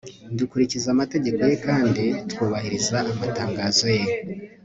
dukurikiza amategeko ye kandi twubahiriza amatangazo ye